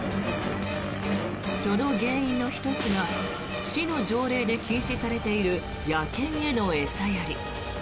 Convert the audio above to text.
その原因の１つが市の条例で禁止されている野犬への餌やり。